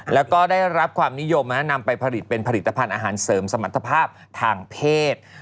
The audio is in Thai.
แล้วก็ได้รับความนิยมนำไปผลิตเป็นผลิตภัณฑ์อาหารเสริมสมรรถภาพทางเพศ